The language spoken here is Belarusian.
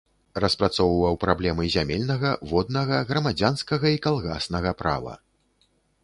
Распрацоўваў праблемы зямельнага, воднага, грамадзянскага і калгаснага права.